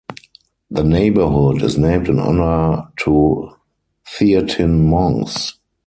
The neighborhood is named in honor to Theatin monks.